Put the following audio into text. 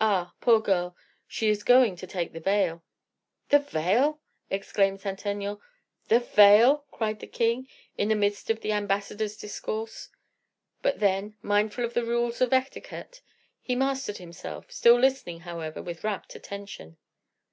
"Ah! poor girl! she is going to take the veil." "The veil!" exclaimed Saint Aignan. "The veil!" cried the king, in the midst of the ambassador's discourse; but then, mindful of the rules of etiquette, he mastered himself, still listening, however, with rapt attention.